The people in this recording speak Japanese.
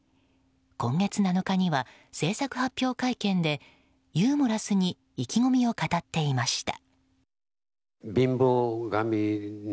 今月７日には制作発表会見でユーモラスに意気込みを語っていました。